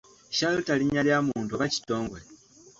Chalter linnya lya muntu oba kitongole?